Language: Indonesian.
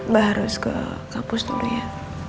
baharus ke kapus dulu ya